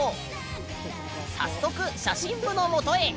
早速写真部のもとへ。